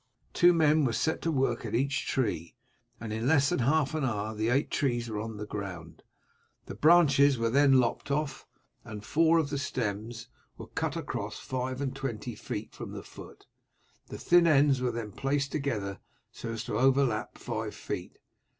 Two men were set to work at each tree, and in less than half an hour the eight trees were on the ground. The branches were then lopped off, and four of the stems were cut across five and twenty feet from the foot. The thin ends were then placed together so as to overlap five feet.